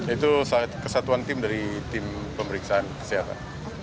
itu kesatuan tim dari tim pemeriksaan kesehatan